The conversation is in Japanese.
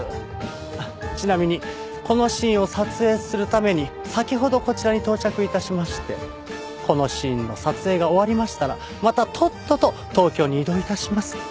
あっちなみにこのシーンを撮影するために先ほどこちらに到着致しましてこのシーンの撮影が終わりましたらまたとっとと東京に移動致します。